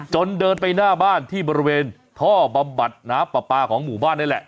เดินไปหน้าบ้านที่บริเวณท่อบำบัดน้ำปลาปลาของหมู่บ้านนี่แหละ